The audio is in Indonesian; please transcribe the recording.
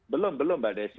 belum belum mbak desi